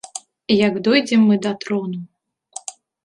Як дойдзем мы да трону!